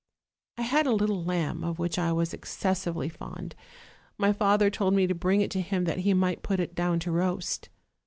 "1 had a little lamb of which I was excessively fond: iny father told me to bring it to him that he might put it down to roast.